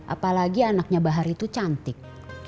apalagi anaknya bahar itu cantik